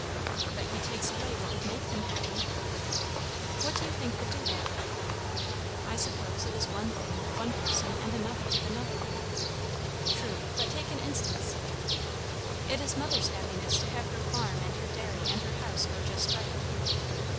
"But he takes away what would make them happy?" "What do you think would do that?" "I suppose it is one thing with one person, and another with another." "True; but take an instance." "It is mother's happiness to have her farm and her dairy and her house go just right."